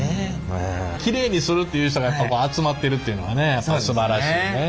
キレイにするっていう人がやっぱこう集まってるっていうのがねすばらしいね。